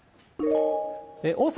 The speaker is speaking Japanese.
大阪、